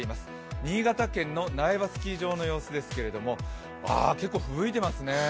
新潟県の苗場スキー場の様子ですけれども結構ふぶいていますね。